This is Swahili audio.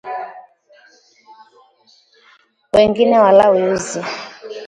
Wengine walawii Uzi